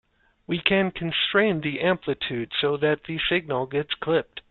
We can constrain the amplitude so that the signal gets clipped.